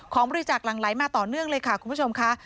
บริจาคหลั่งไหลมาต่อเนื่องเลยค่ะคุณผู้ชมค่ะ